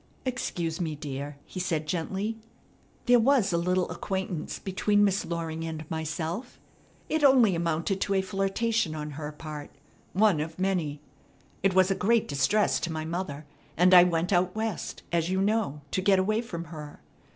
"Excuse me, dear," he said gently, "There was a little acquaintance between Miss Loring and myself. It only amounted to a flirtation on her part, one of many. It was a great distress to my mother, and I went out West, as you know, to get away from her.